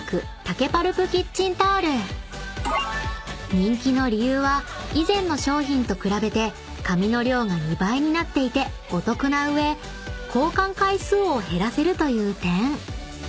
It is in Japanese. ［人気の理由は以前の商品と比べて紙の量が２倍になっていてお得な上交換回数を減らせるという点］